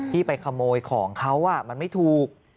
ไปขโมยของเขามันไม่ถูก